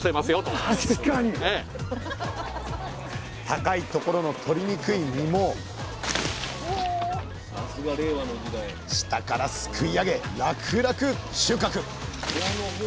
高い所のとりにくい実も下からすくい上げ楽々収穫！